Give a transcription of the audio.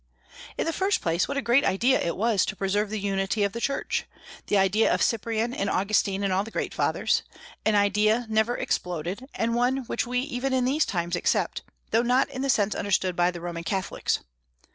In the first place, what a great idea it was to preserve the unity of the Church, the idea of Cyprian and Augustine and all the great Fathers, an idea never exploded, and one which we even in these times accept, though not in the sense understood by the Roman Catholics!